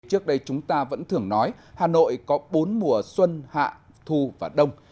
trước đây chúng ta vẫn thường nói hà nội có bốn mùa xuân hạ thu và đông